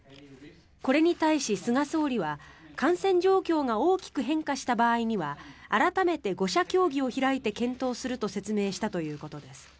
これに対し菅総理は感染状況が大きく変化した場合には改めて５者協議を開いて検討すると説明したということです。